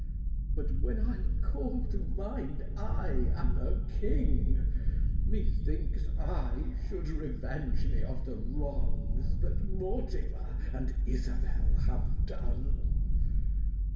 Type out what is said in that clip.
But when I call to mind I am a king, Methinks I should revenge me of my wrongs, That Mortimer and Isabel have done.